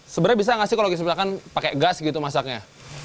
sebenarnya bisa nggak sih kalau di sebelah kan pakai gas gitu masaknya